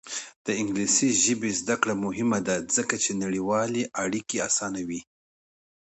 د انګلیسي ژبې زده کړه مهمه ده ځکه چې نړیوالې اړیکې اسانوي.